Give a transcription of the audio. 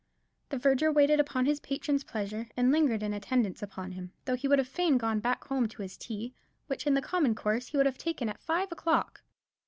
The verger waited upon his patron's pleasure, and lingered in attendance upon him, though he would fain have gone home to his tea, which in the common course he would have taken at five o'clock.